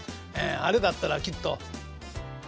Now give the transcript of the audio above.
あれだったらきっと。